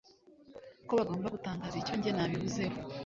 ko bagomba gutangaza icyo njye nabivuzeho